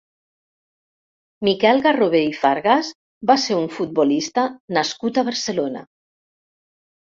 Miquel Garrobé i Fargas va ser un futbolista nascut a Barcelona.